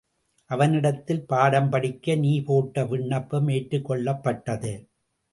அவனிடத்தில் பாடம் படிக்க நீ போட்ட விண்ணப்பம் ஏற்றுக் கொள்ளப்பட்டது.